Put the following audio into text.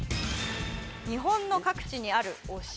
日本の各地にあるお城